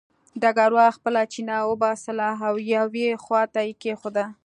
ډګروال خپله چپنه وباسله او یوې خوا ته یې کېښوده